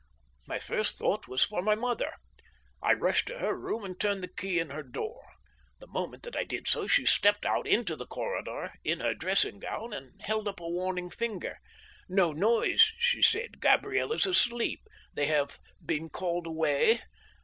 "My first thought was for my mother. I rushed to her room and turned the key in her door. The moment that I did so she stepped out into the corridor in her dressing gown, and held up a warning finger. "'No noise,' she said, 'Gabriel is asleep. They have been called away?'